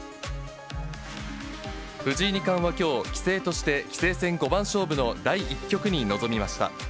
藤井二冠はきょう、棋聖として、棋聖戦５番勝負の第１局に臨みました。